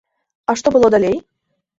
А што было далей?